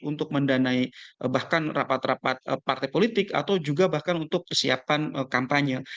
untuk mendanai bahkan rapat rapat partai politik atau juga bahkan untuk persiapan kampanye